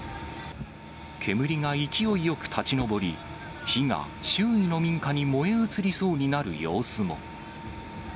煙が勢いよく立ち上り、火が周囲の民家に燃え移りそうになる様子も。